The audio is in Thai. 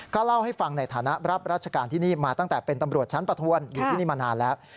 เล่าให้ฟังในฐานะรับราชการที่นี่มาตั้งแต่เป็นตำรวจชั้นประทวนอยู่ที่นี่มานานแล้ว